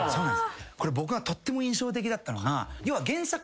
これ僕がとっても印象的だったのが。